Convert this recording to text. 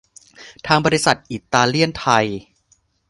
ทางบริษัทอิตาเลียนไทย